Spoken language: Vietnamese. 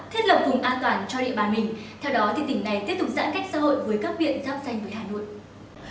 thiết lập vùng an toàn cho địa bàn mình